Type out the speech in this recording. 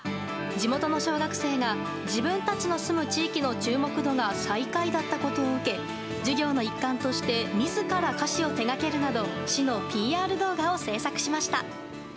地元の小学生が自分たちの住む地域の注目度が最下位だったことを受け授業の一環として自ら歌詞を手掛けるなど市のＰＲ動画を制作しました。